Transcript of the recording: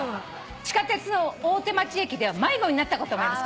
「地下鉄の大手町駅では迷子になったこともあります」